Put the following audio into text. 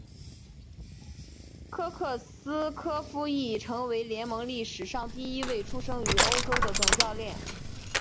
科克斯柯夫亦成为联盟历史上第一位出生于欧洲的总教练。